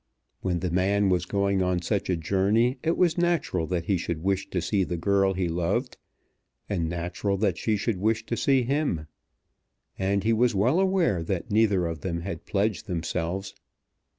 When the man was going on such a journey it was natural that he should wish to see the girl he loved; and natural that she should wish to see him. And he was well aware that neither of them had pledged themselves.